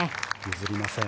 譲りません。